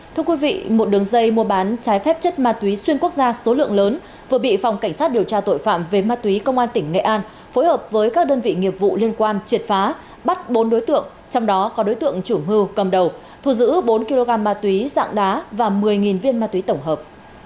thưa quý vị một đường dây mua bán trái phép chất ma túy xuyên quốc gia số lượng lớn vừa bị phòng cảnh sát điều tra tội phạm về ma túy công an tỉnh nghệ an phối hợp với các đơn vị nghiệp vụ liên quan triệt phá bắt bốn đối tượng trong đó có đối tượng chủ mưu cầm đầu thu giữ bốn kg ma túy dạng đá và một mươi viên ma túy tổng hợp